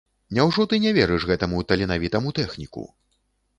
Няўжо ты не верыш гэтаму таленавітаму тэхніку?